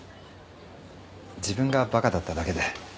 自分がバカだっただけで。